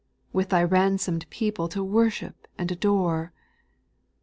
With Thy ransom'd people to worship and adore.